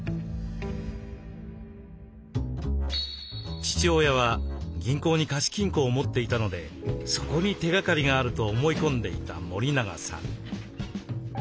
父親は銀行に貸金庫を持っていたのでそこに手がかりがあると思い込んでいた森永さん。